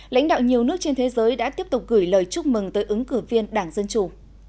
lãnh đạo nhiều nước trên thế giới đã tiếp tục gửi lời chúc mừng tới ứng cử viên đảng dân chủ